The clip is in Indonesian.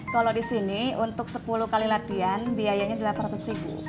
kalau di sini untuk sepuluh kali latihan biayanya delapan ratus ribu